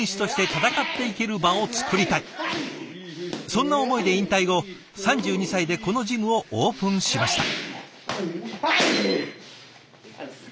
そんな思いで引退後３２歳でこのジムをオープンしました。